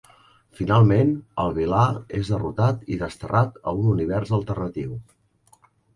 Finalment, el vilà és derrotat i desterrat a un univers alternatiu.